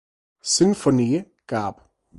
Symphonie gab.